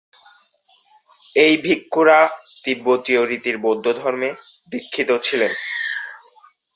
এই ভিক্ষুরা তিব্বতীয় রীতির বৌদ্ধধর্মে দীক্ষিত ছিলেন।